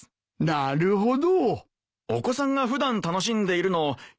なるほど。